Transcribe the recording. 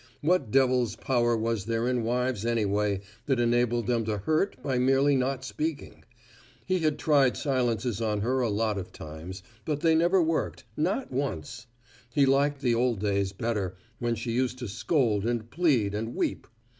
What devil's power was there in wives, anyway, that enabled them to hurt by merely not speaking? He had tried silences on her a lot of times, but they never worked, not once. He liked the old days better, when she used to scold and plead and weep.